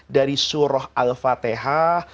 dari suruh al fatihah